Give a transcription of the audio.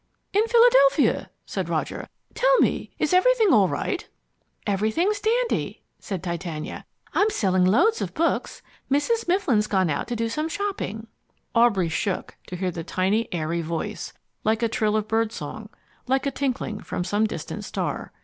"In Philadelphia," said Roger. "Tell me, is everything all right?" "Everything's dandy," said Titania. "I'm selling loads of books. Mrs. Mifflin's gone out to do some shopping." Aubrey shook to hear the tiny, airy voice, like a trill of birdsong, like a tinkling from some distant star.